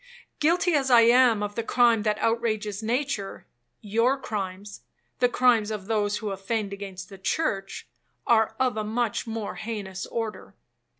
Guilty as I am of the crime that outrages nature, your crimes (the crimes of those who offend against the church) are of a much more heinous order.